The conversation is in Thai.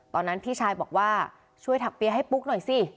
พี่ชายบอกว่าช่วยถักเปี๊ยให้ปุ๊กหน่อยสิ